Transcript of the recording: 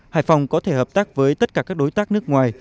hải phòng có thể hợp tác với tất cả các đối tác nước ngoài